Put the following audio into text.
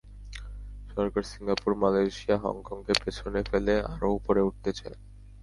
সরকার Singapore, Malaysia, হংকংকে পেছনে ফেলে আরও ওপরে উঠতে চায়।